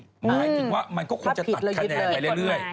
หมายถึงว่ามันก็คงจะตัดคะแนนไปเรื่อย